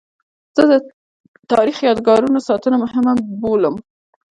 زه د تاریخي یادګارونو ساتنه مهمه بولم.